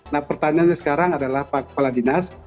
nah pertanyaannya sekarang adalah pak kepala dinas